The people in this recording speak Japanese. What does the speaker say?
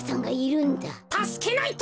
たすけないと！